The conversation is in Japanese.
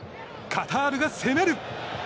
カタールが攻める。